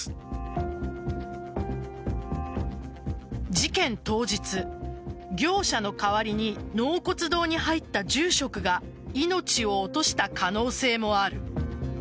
事件当日、業者の代わりに納骨堂に入った住職が命を落とした可能性もある。